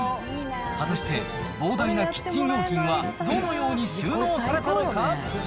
果たして、膨大なキッチン用品がどのように収納されたのか。